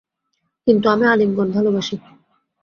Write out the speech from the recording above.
কিন্তু আমি আলিঙ্গন ভালবাসি।